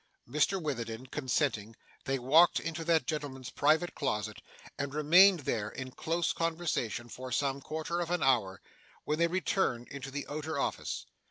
Mr Witherden consenting, they walked into that gentleman's private closet, and remained there, in close conversation, for some quarter of an hour, when they returned into the outer office.